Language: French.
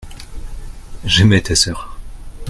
J’aimai ta sœur.